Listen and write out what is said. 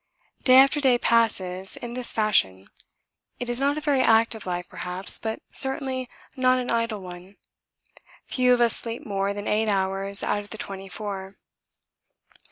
Day after day passes in this fashion. It is not a very active life perhaps, but certainly not an idle one. Few of us sleep more than eight hours out of the twenty four.